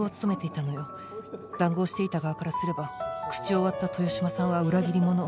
談合していた側からすれば口を割った豊島さんは裏切り者。